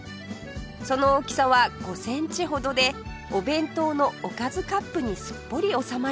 その大きさは５センチほどでお弁当のおかずカップにすっぽり収まります